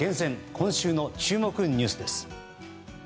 今週の注目ニュースです。